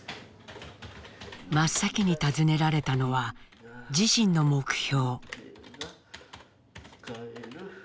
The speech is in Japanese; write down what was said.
真っ先に尋ねられたのは自身の目標。